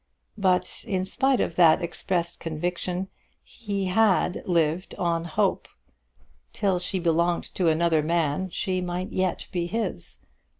But, in spite of that expressed conviction, he had lived on hope. Till she belonged to another man she might yet be his.